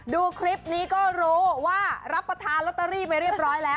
ดูคลิปนี้ก็รู้ว่ารับประทานลอตเตอรี่ไปเรียบร้อยแล้ว